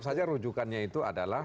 saja rujukannya itu archandra itu bisa